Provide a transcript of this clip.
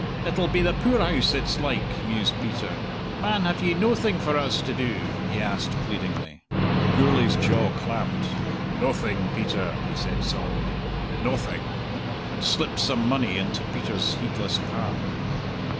"It'll be the poorhouse, it's like," mused Peter. "Man, have ye noathing for us to do?" he asked pleadingly. Gourlay's jaw clamped. "Noathing, Peter," he said sullenly, "noathing;" and slipped some money into Peter's heedless palm.